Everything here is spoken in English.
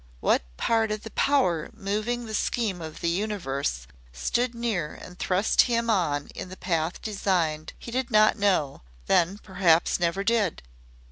What part of the Power moving the scheme of the universe stood near and thrust him on in the path designed he did not know then perhaps never did.